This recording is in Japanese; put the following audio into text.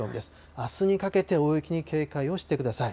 あすにかけて大雪に警戒をしてください。